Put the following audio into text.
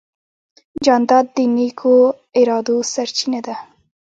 جانداد د نیکو ارادو سرچینه ده.